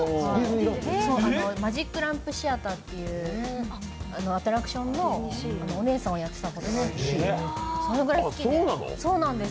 マジックランプシアターっていうアトラクションのお姉さんをやってたことがあるんです、そのくらい好きで。